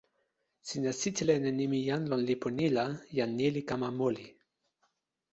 sina sitelen e nimi jan lon lipu ni la, jan ni li kama moli.